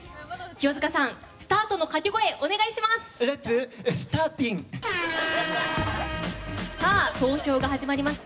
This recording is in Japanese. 清塚さん、スタートのかけ声お願いします。